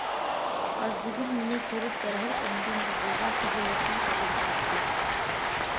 ئارزۇگۈل مېنى كۆرۈپ دەرھال ئورنىدىن تۇردى ۋە خىجىللىقتىن قىزىرىپ كەتتى.